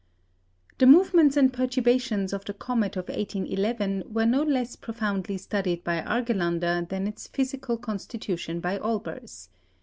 The movements and perturbations of the comet of 1811 were no less profoundly studied by Argelander than its physical constitution by Olbers.